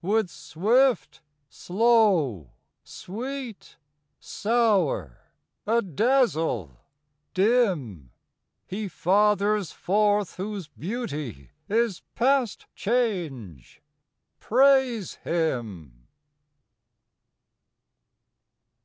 With swift, slow; sweet, sour; adazzle, dim; He fathers forth whose beauty is past change: Praise him.